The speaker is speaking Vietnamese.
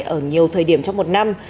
ở nhiều thời điểm trong một năm